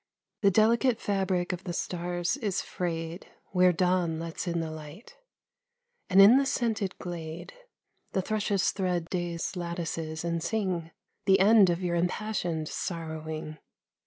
The delicate fabric of the stars is frayed Where dawn lets in the light; And, in the scented glade, The thrushes thread day's lattices, and sing The end of your impassioned sorrowing.